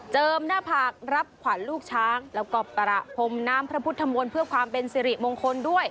หน้าผากรับขวัญลูกช้างแล้วก็ประพรมน้ำพระพุทธมนต์เพื่อความเป็นสิริมงคลด้วย